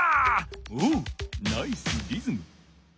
おうナイスリズム。